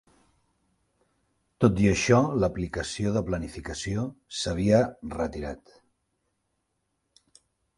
Tot i això, l"aplicació de planificació s"havia retirat.